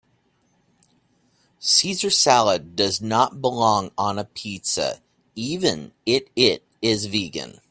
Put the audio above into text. Caesar salad does not belong on a pizza even it it is vegan.